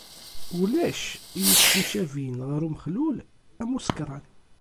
Ulac i yettemcabin ɣer umexlul am usekṛan.